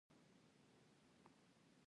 دا د اهدافو د تحقق په معنا شمیرل کیږي.